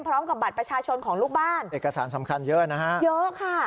พร้อมกับบัตรประชาชนของลูกบ้านเอกสารสำคัญเยอะนะฮะเยอะค่ะ